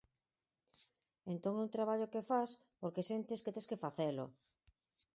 Entón é un traballo que fas porque sentes que tes que facelo.